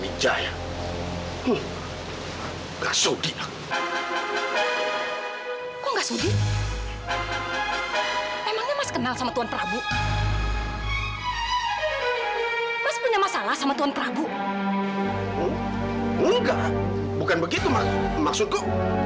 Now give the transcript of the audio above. enggak bukan begitu maksudku